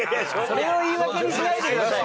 それを言い訳にしないでください。